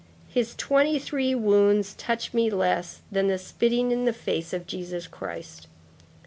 His twenty three wounds touch me less than the spitting in the face of Jesus Christ.